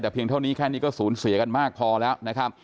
แต่เพียงเท่านี้แค่นี้ก็สูญเสียกันมากพอแล้วนะครับ